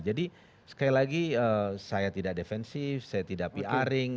jadi sekali lagi saya tidak defensif saya tidak pr ing